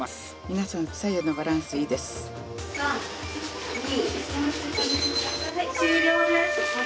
皆さん左右のバランスいいです。